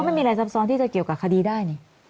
ไม่มีอะไรซับซ้อนที่จะเกี่ยวกับคดีได้นี่